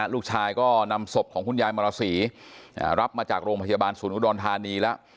ลูกชายก็นำศพของคุณยายมาราศีรับมาจากโรงพยาบาลศูนย์อุดรธานีแล้ว